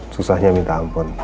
susahnya minta ampun